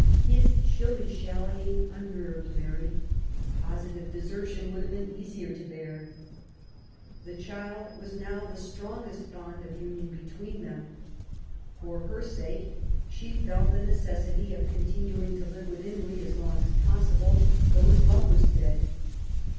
His shilly shallying unnerved Mary ;. positive desertion would have been easier to bear. The child was now the strongest bond of union between them. For her sake she felt the necessity of continuing to live with Imlay as long as possible, though his love was dead.